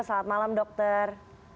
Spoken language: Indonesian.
selamat malam dokter